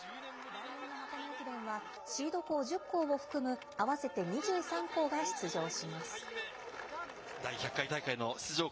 来年の箱根駅伝は、シード校１０校を含む、合わせて２３校が出場します。